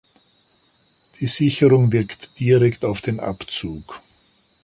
Die Sicherung wirkt direkt auf den Abzug.